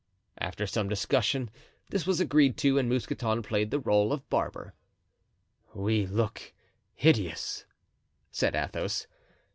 After some discussion this was agreed to and Mousqueton played the role of barber. "We look hideous," said Athos.